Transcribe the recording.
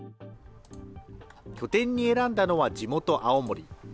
拠点に選んだのは地元、青森。